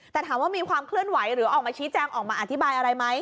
แต่ถามว่ามีความเคลื่อนไหวหรือออกมาชี้แจงออกมาอธิบายอะไรไหม